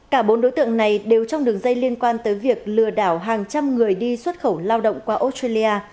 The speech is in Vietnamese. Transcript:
cả bốn đối tượng này đều trong đường dây liên quan tới việc lừa đảo hàng trăm người đi xuất khẩu lao động qua australia